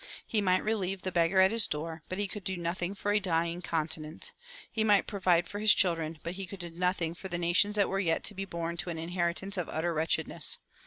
He might relieve the beggar at his door, but he could do nothing for a dying continent. He might provide for his children, but he could do nothing for the nations that were yet to be born to an inheritance of utter wretchedness.